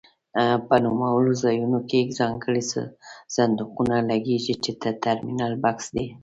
په نوموړو ځایونو کې ځانګړي صندوقونه لګېږي چې د ټرمینل بکس دی.